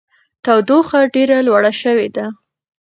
تودوخه ډېره لوړه شوې ده.